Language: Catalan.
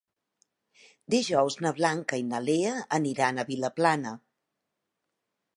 Dijous na Blanca i na Lea aniran a Vilaplana.